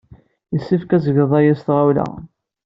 Yessefk ad tged aya s tɣawla.